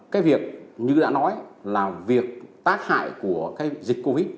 cái việc như đã nói là việc tác hại của cái dịch covid